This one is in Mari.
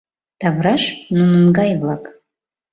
Тавраш — нунын гай-влак.